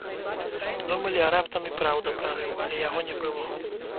Думалі, а раптам і, праўда, прарыў, але яго не было.